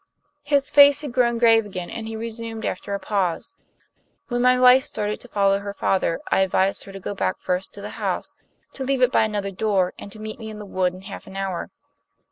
His face had grown grave again, and he resumed after a pause: "When my wife started to follow her father I advised her to go back first to the house, to leave it by another door and to meet me in the wood in half an hour.